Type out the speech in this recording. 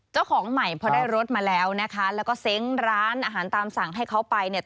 เจ้าของใหม่พอได้รถมาแล้วนะคะแล้วก็เซ้งร้านอาหารตามสั่งให้เขาไปเนี่ย